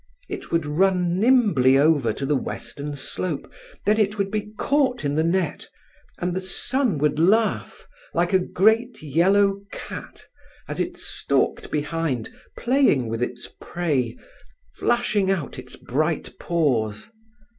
It would run nimbly over to the western slope, then it would be caught in the net, and the sun would laugh, like a great yellow cat, as it stalked behind playing with its prey, flashing out its bright paws.